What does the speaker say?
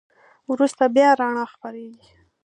وروسته بیا رڼا خپرېږي.